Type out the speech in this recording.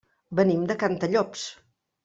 Venim de Cantallops.